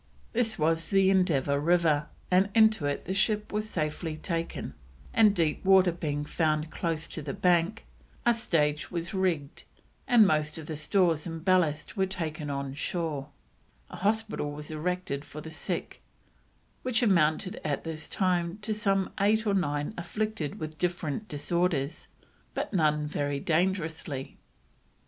This was the Endeavour River, and into it the ship was safely taken, and deep water being found close to the bank, a stage was rigged, and most of the stores and ballast were taken on shore; a hospital was erected for the sick, "which amounted at this time to some eight or nine afflicted with different disorders, but none very dangerously ill."